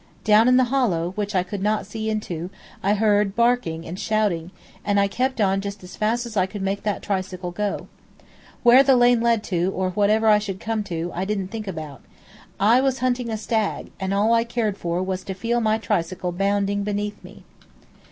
Down in the hollow, which I could not see into, I heard a barking and shouting, and I kept on just as fast as I could make that tricycle go. Where the lane led to, or what I should ever come to, I didn't think about. I was hunting a stag, and all I cared for was to feel my tricycle bounding beneath me.